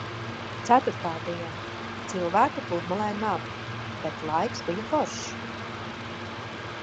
Ceturtā diena. Cilvēku pludmalē nav, bet laiks bija foršs.